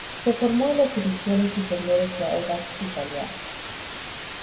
Se formó en las divisiones inferiores de Audax Italiano.